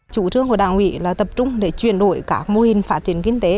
chủ trương của đảng ủy là tập trung để chuyển đổi các mô hình phát triển kinh tế